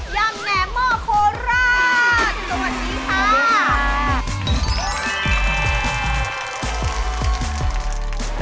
ำแหนมหม้อโคราชสวัสดีค่ะ